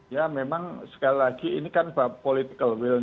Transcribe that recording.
ya memang sekali lagi ini kan bahwa politikal wil